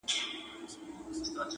ویل قیامت یې ویل محشر یې!!